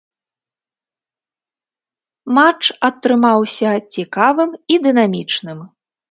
Матч атрымаўся цікавым і дынамічным.